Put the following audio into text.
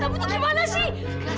kamu tuh gimana sih